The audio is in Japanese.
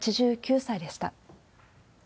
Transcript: ８９歳でした。